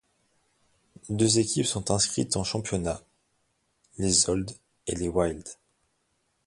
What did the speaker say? Deux équipes sont inscrites en championnat, les Old et les Wild.